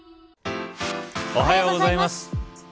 おはようございます。